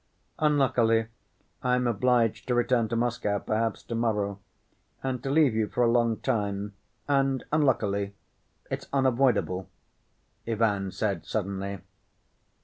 "Unluckily I am obliged to return to Moscow—perhaps to‐morrow—and to leave you for a long time—And, unluckily, it's unavoidable," Ivan said suddenly.